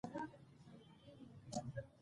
موږ به تر هغه وخته پورې علمي بحثونه کوو.